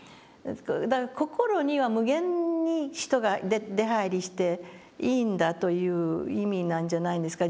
だから心には無限に人が出はいりしていいんだという意味なんじゃないんですか